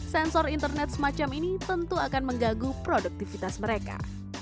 sensor internet semacam ini tentu akan mengganggu produktivitas mereka